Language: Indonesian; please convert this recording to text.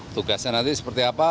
tugasnya nanti seperti apa